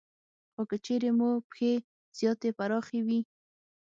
خو که چېرې مو پښې زیاتې پراخې وي